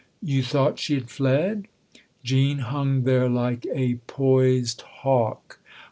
" You thought she had fled ?" Jean hung there like a poised hawk.